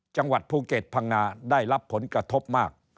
จังหวัดภูเก็ตพังงาได้รับผลกระทบมาก